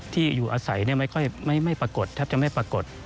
ที่อยู่อาศัยไม่ปรากฎถ้าจะไม่ปรากฎ